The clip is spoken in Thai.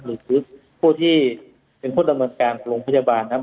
หรือคือผู้ที่เป็นผู้นำงานการกับโรงพยาบาลนะครับ